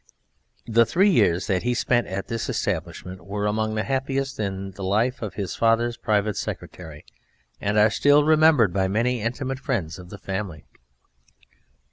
The three years that he spent at this establishment were among the happiest in the life of his father's private secretary, and are still remembered by many intimate friends of the family.